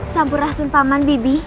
sampur rasun paman bibi